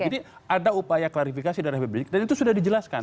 jadi ada upaya klarifikasi dari habib rizik dan itu sudah dijelaskan